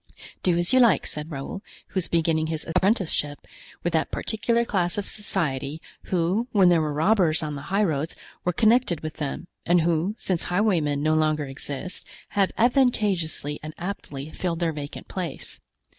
"Do as you like," said Raoul, who was beginning his apprenticeship with that particular class of society, who, when there were robbers on the highroads, were connected with them, and who, since highwaymen no longer exist, have advantageously and aptly filled their vacant place.